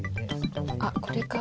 あっこれか。